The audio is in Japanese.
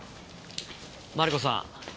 マリコさん